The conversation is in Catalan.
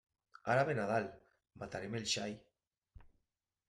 Ara ve Nadal, matarem el xai.